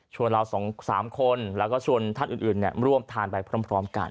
เรา๒๓คนแล้วก็ชวนท่านอื่นร่วมทานไปพร้อมกัน